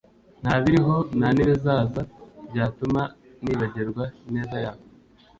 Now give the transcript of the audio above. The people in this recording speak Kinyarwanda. ntabiriho ntanibizaza byatuma nibagirwa ineza yawe